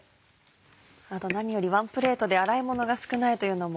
あと何よりワンプレートで洗い物が少ないというのも。